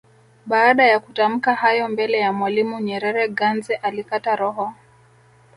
Baada ya kutamka hayo mbele ya Mwalimu Nyerere Ganze alikata roho